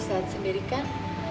mas saat sendiri kan